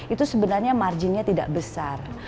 itu sebenarnya marginnya tidak besar